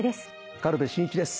軽部真一です。